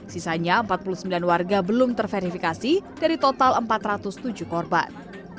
sisanya empat puluh sembilan warga belum terverifikasi dari total empat ratus tujuh korban